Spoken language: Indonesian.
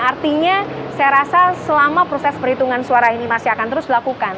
artinya saya rasa selama proses perhitungan suara ini masih akan terus dilakukan